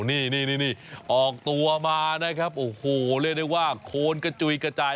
นี่นี่ออกตัวมาครับโอ้โหเห็นไหมว่าโคนกระจุยกระจาย